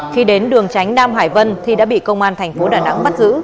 khi đến đường tránh nam hải vân thì đã bị công an thành phố đà nẵng bắt giữ